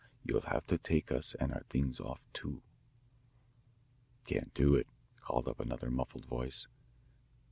You'll have to take us and our things off, too." "Can't do it," called up another muffled voice.